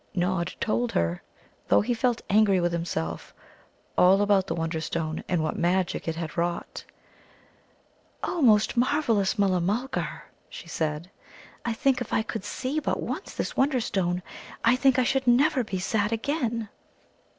Nod told her, though he felt angry with himself, all about the Wonderstone, and what magic it had wrought. "O most marvellous Mulla mulgar," she said, "I think, if I could see but once this Wonderstone I think I should be never sad again."